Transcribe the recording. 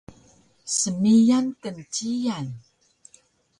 Smiyan knciyan